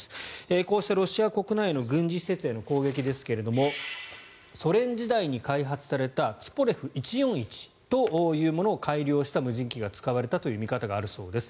こうしたロシア国内の軍事施設への攻撃ですがソ連時代に開発されたＴｕ−１４１というものを改良した無人機が使われたという見方があるそうです。